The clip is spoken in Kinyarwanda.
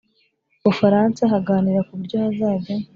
Bufaransa baganira ku buryo hazajya